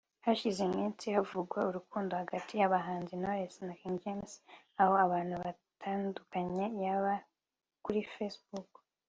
Hashize iminsi havugwa urukundo hagati y’abahanzi Knowless na King James aho abantu batandukanye yaba kuri Facebook